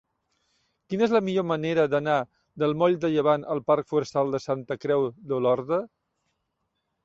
Quina és la millor manera d'anar del moll de Llevant al parc Forestal de Santa Creu d'Olorda?